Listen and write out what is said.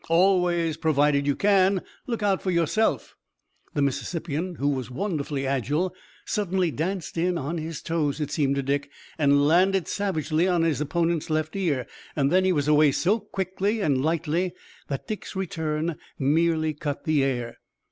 "Always provided you can: Look out for yourself." The Mississippian, who was wonderfully agile, suddenly danced in on his toes it seemed to Dick and landed savagely on his opponent's left ear. Then he was away so quickly and lightly that Dick's return merely cut the air.